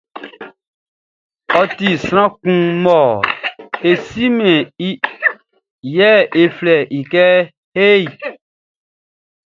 Ɔ ti sran kun mɔ e simɛn iʼn, yɛ e flɛ i kɛ hey.